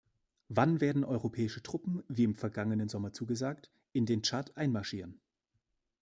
Wann werden europäische Truppen, wie im vergangenen Sommer zugesagt, in den Tschad einmarschieren?